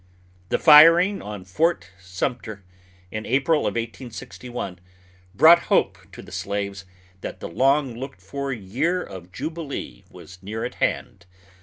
The firing on Fort Sumter, in April of 1861, brought hope to the slaves that the long looked for year of jubilee was near at hand.